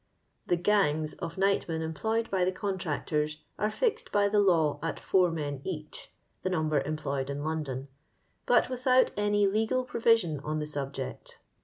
The " gangs'' of nightmen employed by the contractors are fixed by the law at four men each (the number employed in Loudon), but without any legal provision on the subject.